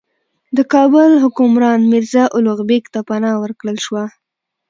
د کابل حکمران میرزا الغ بېګ ته پناه ورکړل شوه.